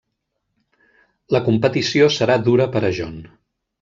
La competició serà dura per a John.